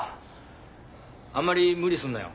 あんまり無理すんなよ。